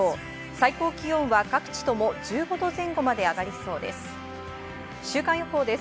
最高気温は各地とも１５度前後まで上がりそうです。